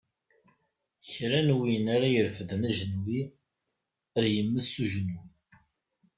Kra n win ara irefden ajenwi, ad immet s ujenwi.